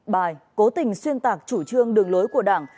bài cố tình xuyên tạc chủ trương đường lối của đảng